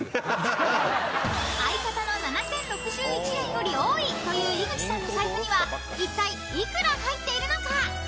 ［相方の７，０６１円より多いという井口さんの財布にはいったい幾ら入っているのか？］